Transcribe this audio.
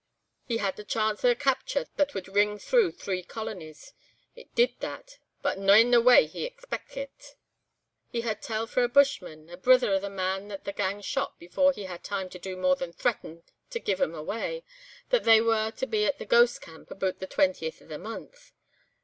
He had the chance o' a capture that would ring through three colonies. It did that, but no in the way he expeckit. "He heard tell frae a bushman, a brither o' the man that the gang shot before he had time to do more than threaten to 'give them away,' that they were to be at the 'Ghost Camp' aboot the twentieth o' the month.